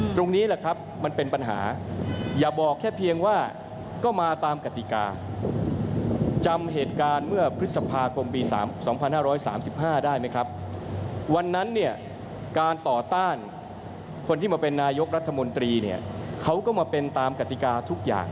ตรงนี้แหละครับมันเป็นปัญหาอย่าบอกแค่เพียงว่าก็มาตามกติกาจำเหตุการณ์เมื่อพฤษภาคมปี๒๕๓๕ได้ไหมครับวันนั้นเนี่ยการต่อต้านคนที่มาเป็นนายกรัฐมนตรีเนี่ยเขาก็มาเป็นตามกติกาทุกอย่าง